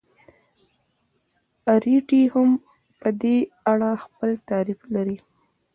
اریټي هم په دې اړه خپل تعریف لري.